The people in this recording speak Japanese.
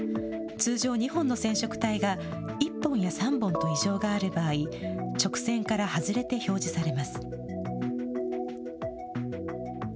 通常２本の染色体が１本や３本と異常がある場合、直線から外れて表示されます。